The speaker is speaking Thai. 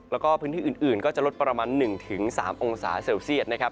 แล้วก็พื้นที่อื่นก็จะลดประมาณ๑๓องศาเซลเซียตนะครับ